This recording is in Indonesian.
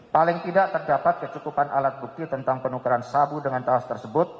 paling tidak terdapat kecukupan alat bukti tentang penukaran sabu dengan tas tersebut